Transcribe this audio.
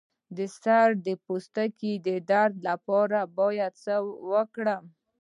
د سر د پوستکي د درد لپاره باید څه وکړم؟